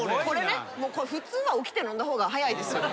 これ普通は起きて飲んだ方が早いですよ。